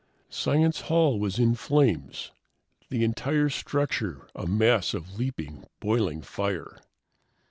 Science Hall was in flames, the entire structure a mass of leaping, boiling fire.